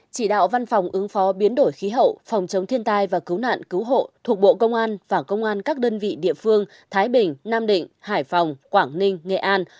chỉ đạo văn phòng ứng phó biến đổi khí hậu phòng chống thiên tai và cứu nạn cứu hộ thuộc bộ công an và công an các đơn vị địa phương thái bình nam định hải phòng quảng ninh nghệ an